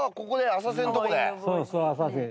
浅瀬。